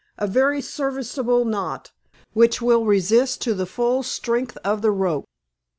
"A very serviceable knot, which will resist to the full strength of the rope."